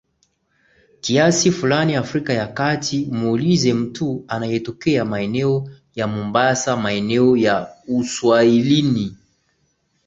kiasi fulani Afrika ya kati Muulize mtu anayetokea maeneo ya Mombasa maeneo ya uswahilini